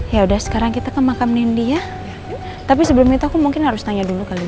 ya udah sekarang kita ke makam nindi ya tapi sebelum itu aku mungkin harus tanya dulu kali